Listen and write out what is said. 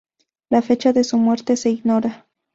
La fecha de su muerte se ignora.